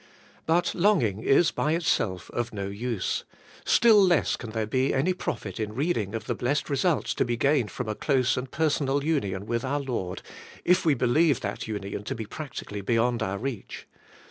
But longing is by itself of no use; still less can there be any profit in reading of the blessed results to be gained from a close and personal union with our Lord if we ielieve that union to te practically 'beyond our reach.